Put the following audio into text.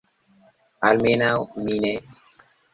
Almenaŭ mi ne.